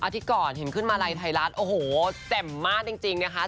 ที่ก่อนเห็นความขึ้นมารัยไทล็าร์สแจ่มมากจริงนะคะ